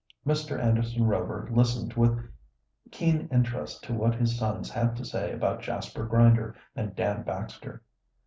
Mr. Anderson Rover listened with keen interest to what his sons had to say about Jasper Grinder and Dan Baxter.